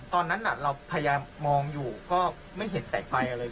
ตอนนั้นเราพยายามมองอยู่ก็ไม่เห็นแสงไฟอะไร